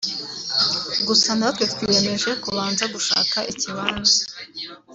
gusa natwe twiyemeje kubanza gushaka ikibanza